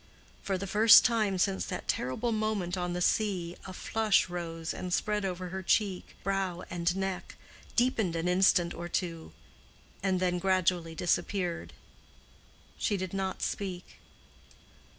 For the first time since that terrible moment on the sea a flush rose and spread over her cheek, brow and neck, deepened an instant or two, and then gradually disappeared. She did not speak.